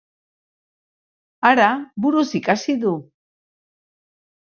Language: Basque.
Hara, buruz ikasi du!